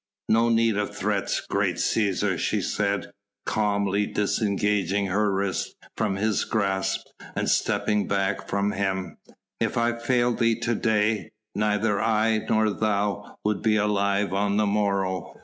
"No need of threats, great Cæsar," she said, calmly disengaging her wrist from his grasp and stepping back from him, "if I failed thee to day neither I nor thou would be alive on the morrow."